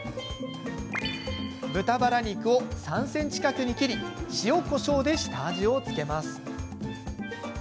豚バラ肉を３ｃｍ角に切り塩、こしょうで下味を付けます。